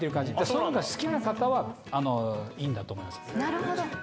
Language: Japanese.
そのほうが好きな方はいいんだとなるほど。